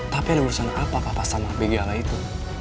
tapi ada urusan apa apa sama bgli itu